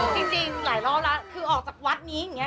จริงหลายรอบแล้วคือออกจากวัดนี้อย่างนี้